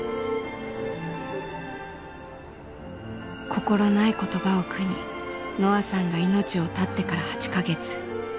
心ない言葉を苦にのあさんが命を絶ってから８か月。